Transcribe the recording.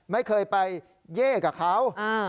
ไม่เคยไปเย่กับเขา